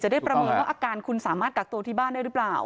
ได้ประเมินว่าอาการคุณสามารถกักตัวที่บ้านได้หรือเปล่า